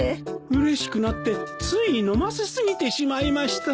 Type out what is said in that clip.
うれしくなってつい飲ませ過ぎてしまいました。